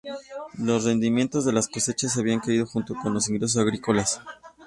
Los rendimientos de las cosechas habían caído junto con los ingresos agrícolas.